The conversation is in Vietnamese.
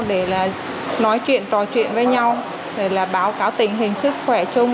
để là nói chuyện trò chuyện với nhau rồi là báo cáo tình hình sức khỏe chung